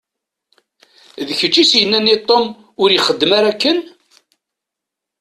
D kečč i as-yennan i Tom ur ixeddem ara akken?